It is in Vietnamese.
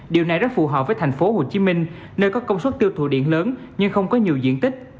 điều này rất phù hợp với thành phố hồ chí minh nơi có công suất tiêu thụ điện lớn nhưng không có nhiều diện tích